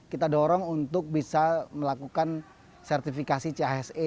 kita dorong untuk bisa melakukan sertifikasi chse